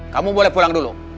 kamu boleh pulang dulu